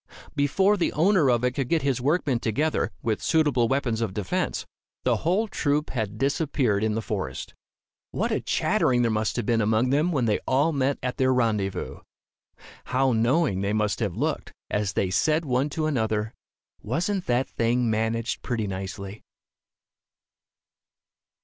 Before the owner of it could get his workmen together, with suitable weapons of defence, the whole troop had disappeared in the forest. What a chattering there must have been among them, when they all met at their rendezvous! How knowing they must have looked, as they said one to another, "Wasn't that thing managed pretty nicely?"